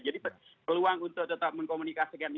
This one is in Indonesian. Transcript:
jadi peluang untuk tetap mengkomunikasikan ini